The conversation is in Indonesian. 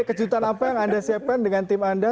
kejutan apa yang anda siapkan dengan tim anda